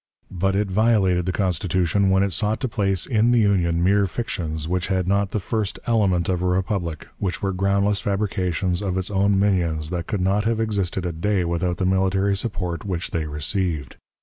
But it violated the Constitution when it sought to place in the Union mere fictions which had' not the first element of a republic, which were groundless fabrications of its own minions that could not have existed a day without the military support which they received.